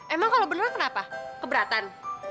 emang kalau beneran kenapa keberatan